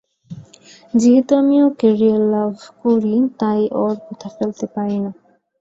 যেহেতু আমি ওকে রিয়েল লাভ করি, তাই ওর কথা ফেলতে পারিনা।